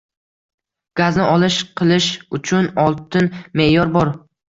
Gazni olish qilish uchun oltin meʼyor bor